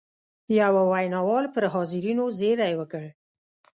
یوه ویناوال پر حاضرینو زېری وکړ.